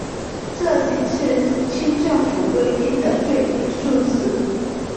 这仅是清政府规定的最低数字。